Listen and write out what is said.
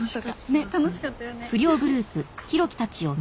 ねっ楽しかったよねははっ。